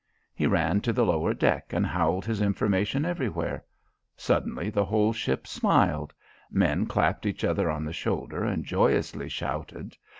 He ran to the lower deck and howled his information everywhere. Suddenly the whole ship smiled. Men clapped each other on the shoulder and joyously shouted.